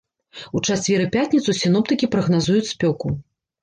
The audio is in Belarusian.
У чацвер і пятніцу сіноптыкі прагназуюць спёку.